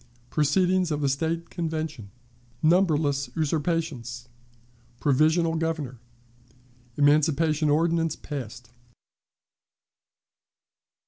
Proceedings of the State Convention. Numberless Usurpations. Provisional Governor. Emancipation Ordinance passed.